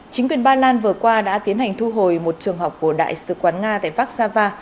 chính quyền ba lan vừa qua đã tiến hành thu hồi một trường học của đại sứ quán nga tại vác sa va